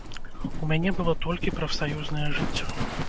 У мяне было толькі прафсаюзнае жыццё.